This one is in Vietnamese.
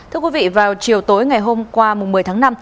thưa quý vị vào chiều tối ngày hôm qua một mươi tháng năm